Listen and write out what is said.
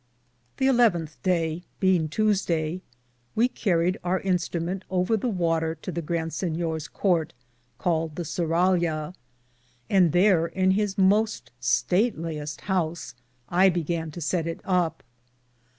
The nth Daye, beinge Tusdaye, we Carried our instra mente over the water to the Grand Sinyors Courte, Called the surralya, and thare in his moste statlyeste house I began to sett it up.